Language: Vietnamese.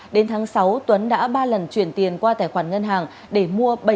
đến tháng sáu tuấn đã ba lần chuyển tiền qua tài khoản ngân hàng để mua